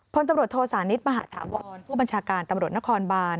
พลตำรวจโทสานิทมหาฐาวรผู้บัญชาการตำรวจนครบาน